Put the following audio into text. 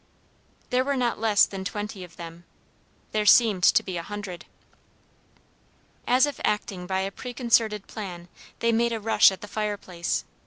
There were not less than twenty of them; there seemed to be a hundred. As if acting by a preconcerted plan, they made a rush at the fireplace.